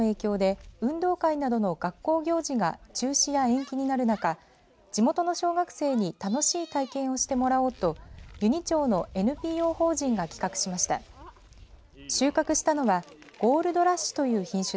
この催しは新型コロナの影響で運動会などの学校行事が中止や延期になる中地元の小学生に楽しい体験をしてもらおうと由仁町のＮＰＯ法人が企画しました。